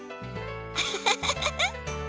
フフフフフ。